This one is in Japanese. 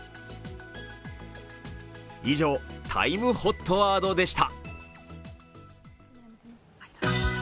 以上、「ＴＩＭＥＨＯＴワード」でした。